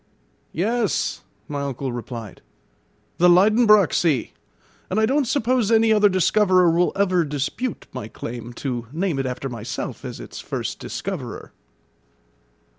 "Yes," my uncle replied, "the Liedenbrock Sea; and I don't suppose any other discoverer will ever dispute my claim to name it after myself as its first discoverer."